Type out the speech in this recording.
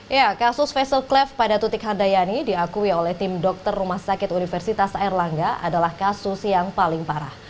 ya kasus facial clef pada tutik handayani diakui oleh tim dokter rumah sakit universitas airlangga adalah kasus yang paling parah